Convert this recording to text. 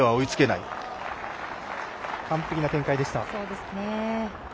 完璧な展開でした。